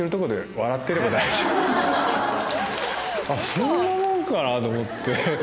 そんなもんかなぁと思って。